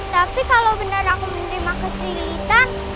tapi kalau benar aku menerima kesulitan